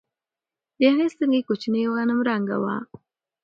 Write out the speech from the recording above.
د هغې سترګې کوچنۍ او غنم رنګه وه.